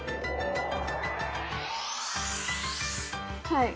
はい。